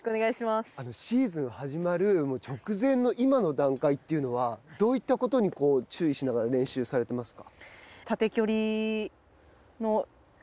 シーズン始まる直前の今の段階というのはどういったことに注意しながら練習されていますか。